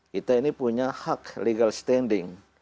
kita ini punya hak legal standing